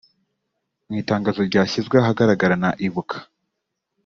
Mu itangazo ryashyizwe ahagaragara na Ibuka